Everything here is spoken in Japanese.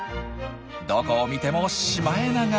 どこを見てもシマエナガ！